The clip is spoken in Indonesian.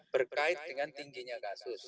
berkait dengan tingginya kasus